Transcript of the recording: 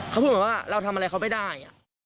เขาพูดเหมือนว่าเราทำอะไรเขาไม่ได้